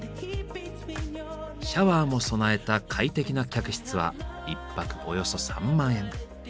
シャワーも備えた快適な客室は１泊およそ３万円。